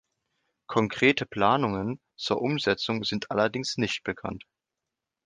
Konkrete Planungen zur Umsetzung sind allerdings nicht bekannt.